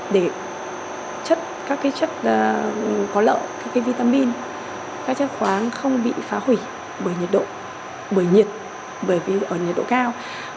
để các chất có lợi các vitamin các chất khoáng không bị phá hủy bởi nhiệt độ cao